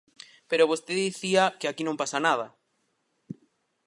Pero vostede dicía que aquí non pasa nada.